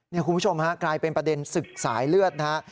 นี่คุณผู้ชมฮะกลายเป็นประเด็นศึกสายเลือดนะฮะ